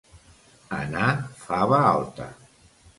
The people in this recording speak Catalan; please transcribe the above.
Anar fava alta.